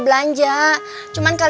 terus kita ke kantor